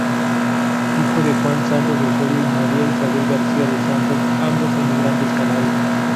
Hijo de Juan Santos Osorio y María Isabel García de Santos, ambos emigrantes Canarios.